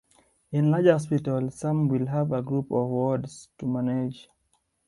In larger hospitals some will have a group of wards to manage.